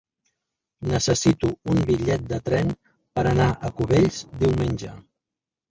Necessito un bitllet de tren per anar a Cubells diumenge.